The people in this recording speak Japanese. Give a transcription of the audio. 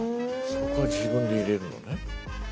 そこ自分で入れるのね。